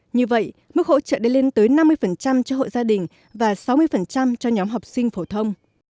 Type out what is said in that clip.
như vậy mức hỗ trợ đã lên tới năm mươi cho hội gia đình và sáu mươi cho nhóm học sinh phổ thông